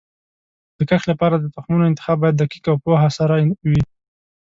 د کښت لپاره د تخمونو انتخاب باید دقیق او پوهه سره وي.